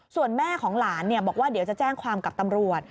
ส่วนแม่ของหลานบอกว่าเดี๋ยวจะแจ้งความกับตำรวจ